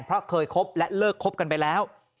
เพราะเคยคบและเลิกคบกันไปแล้ว